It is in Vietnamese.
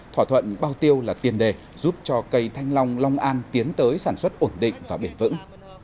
thỏa thuận bao tiêu là tiền đề giúp cho cây thanh long long an tiến tới sản xuất ổn định và bền vững